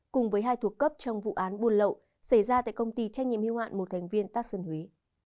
cùng với hai thuộc cấp trong vụ án buôn lậu xảy ra tại công ty trách nhiệm hữu hạn một thành viên tắc sơn huế